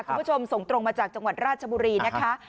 คุณผู้ชมส่งตรงมาจากจังหวัดราชบุรีนะคะ